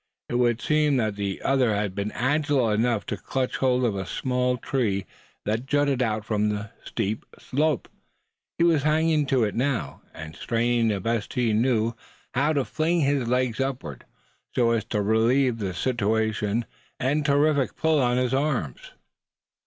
It would seem that the other had been agile enough to clutch hold of a small tree that jutted out from the steep slope. He was hanging to it now, and straining the best he knew how to fling his legs upward, so as to relieve the situation, and the terrific pull on his arms.